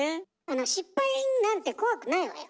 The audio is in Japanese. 失敗なんて怖くないわよ。